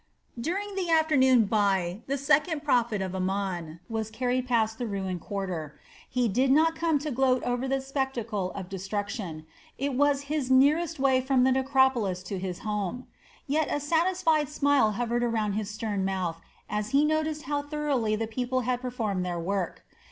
During the afternoon Fai, the second prophet of Amon, was carried past the ruined quarter. He did not come to gloat over the spectacle of destruction, it was his nearest way from the necropolis to his home. Yet a satisfied smile hovered around his stern mouth as he noticed how thoroughly the people had performed their work.